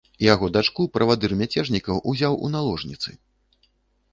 Яго дачку правадыр мяцежнікаў узяў у наложніцы.